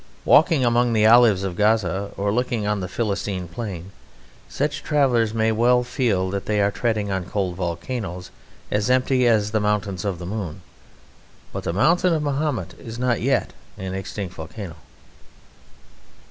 Walking among the olives of Gaza or looking on the Philistine plain, such travellers may well feel that they are treading on cold volcanoes, as empty as the mountains of the moon. But the mountain of Mahomet is not yet an extinct volcano.